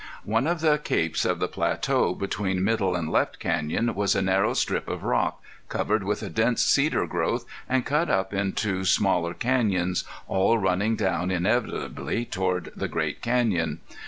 One of the capes of the plateau between Middle and Left Canyon was a narrow strip of rock, covered with a dense cedar growth and cut up into smaller canyons, all running down inevitably toward the great canyon.